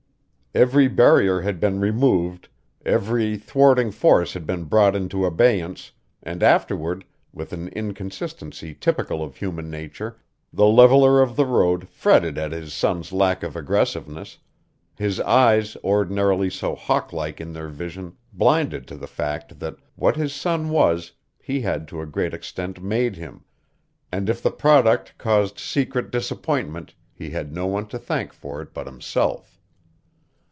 Every barrier had been removed, every thwarting force had been brought into abeyance, and afterward, with an inconsistency typical of human nature, the leveler of the road fretted at his son's lack of aggressiveness, his eyes, ordinarily so hawklike in their vision, blinded to the fact that what his son was he had to a great extent made him, and if the product caused secret disappointment he had no one to thank for it but himself.